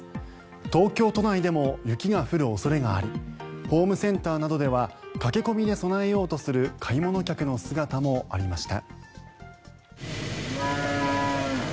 東京都内でも雪が降る恐れがありホームセンターなどでは駆け込みで備えようとする買い物客の姿もありました。